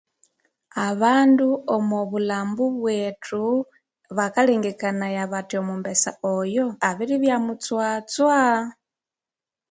Abandu omubulhambu bwethu bakalengekanaya abiribya mutswatswa